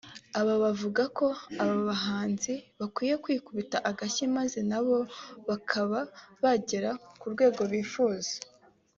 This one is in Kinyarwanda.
Aba bavuga ko abahanzi bakwiye kwikubita agashyi maze na bo bakaba bagera ku rwego bifuza